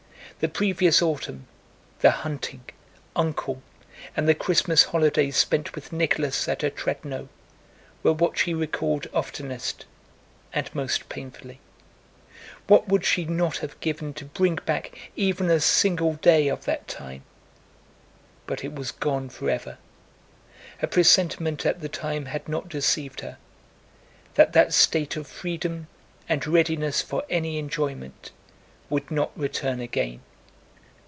The previous autumn, the hunting, "Uncle," and the Christmas holidays spent with Nicholas at Otrádnoe were what she recalled oftenest and most painfully. What would she not have given to bring back even a single day of that time! But it was gone forever. Her presentiment at the time had not deceived her—that that state of freedom and readiness for any enjoyment would not return again.